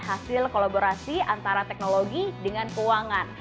hasil kolaborasi antara teknologi dengan keuangan